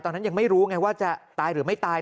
ยังไม่รู้ไงว่าจะตายหรือไม่ตาย